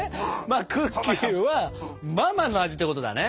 クッキーはママの味ってことだね。